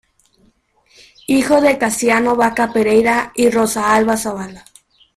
Hijo de Casiano Vaca Pereyra y Rosa Alba Zabala.